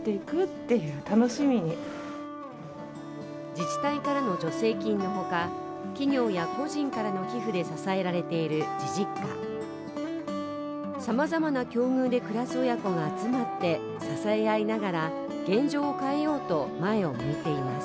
自治体からの助成金のほか、企業や個人からの寄付で支えられているじじっか様々な境遇で暮らす親子が集まって、支え合いながら現状を変えようと、前を向いています。